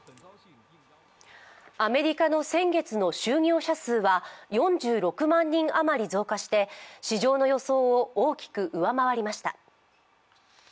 アメリカの先月の就業者数は４６万人余り増加して市場の予想を大きく上回りました。